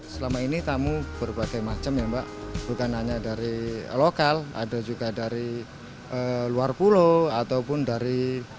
selama ini tamu berbagai macam ya mbak bukan hanya dari lokal ada juga dari luar pulau ataupun dari